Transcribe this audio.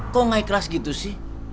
kok naik kelas gitu sih